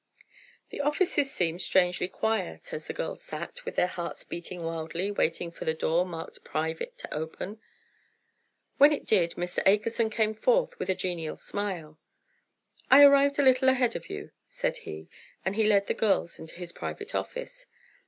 The offices seemed strangely quiet, as the girls sat, with their hearts beating wildly, waiting for the door marked "Private" to open. When it did, Mr. Akerson came forth with a genial smile. "I arrived a little ahead of you," said he, and he led the girls into his private office.